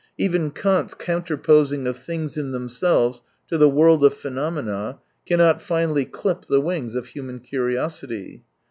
Even Kant's counterposing of things in themselves to the world of phenomena cannot finally clip the wings of human curiosity.